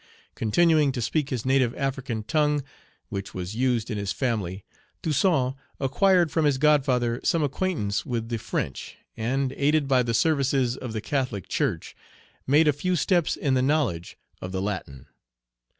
Continuing to speak his native African tongue, which was used in his family, Page 37 Toussaint acquired from his godfather some acquaintance with the French, and, aided by the services of the Catholic Church, made a few steps in the knowledge of the Latin.